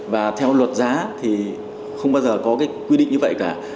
và theo luật giá thì không bao giờ có cái quy định như vậy cả